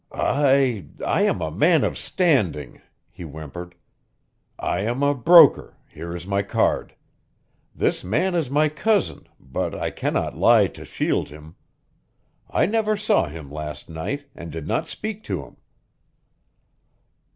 "I I am a man of standing," he whimpered. "I am a broker here is my card. This man is my cousin, but I cannot lie to shield him. I never saw him last night, and did not speak to him."